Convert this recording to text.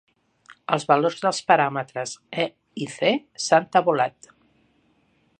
Els valors dels paràmetres "E" i "C" s'han tabulat.